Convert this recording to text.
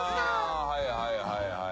ああはいはいはいはい。